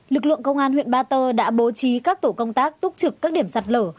lực lượng công an huyện ba tơ đã bố trí các tổ công tác túc trực các điểm sạt lở